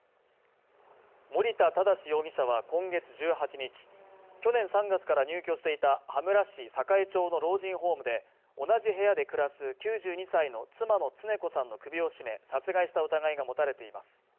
森田良容疑者は今月１８日、去年３月から入居していた羽村市栄町の老人ホームで、同じ部屋で暮らす９２歳の妻の常子さんの首を絞め殺害した疑いが持たれています。